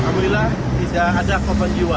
alhamdulillah tidak ada kebenciwa